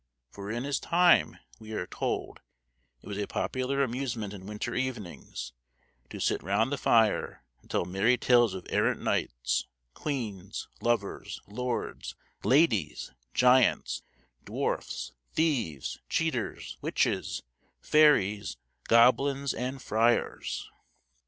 For in his time, we are told, it was a popular amusement in winter evenings "to sit round the fire, and tell merry tales of errant knights, queens, lovers, lords, ladies, giants, dwarfs, thieves, cheaters, witches, fairies, goblins, and friars."